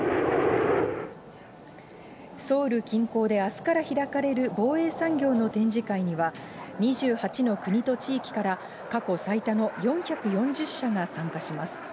ソウル近郊であすから開かれる防衛産業の展示会には、２８の国と地域から過去最多の４４０社が参加します。